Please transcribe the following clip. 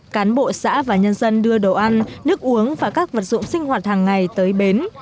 cán bộ xã và nhân dân đưa đồ ăn nước uống và các vật dụng sinh hoạt hàng ngày tới bến